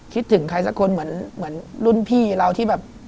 คิดถึงใครสักคนเหมือนรุ่นพี่เราที่แบบ